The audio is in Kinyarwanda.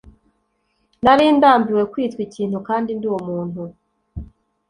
nari ndambiwe kwitwa ikintu kandi ndi umuntu